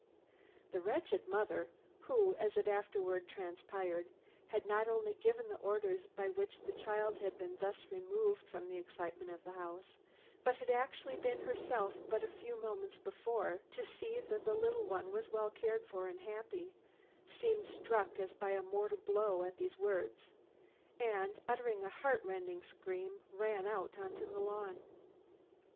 The wretched mother, who, as it afterward transpired, had not only given the orders by which the child had been thus removed from the excitement up at the house, but had actually been herself but a few moments before to see that the little one was well cared for and happy, seemed struck as by a mortal blow at these words and, uttering a heart rending scream, ran out on the lawn.